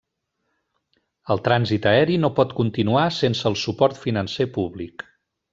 El trànsit aeri no pot continuar sense el suport financer públic.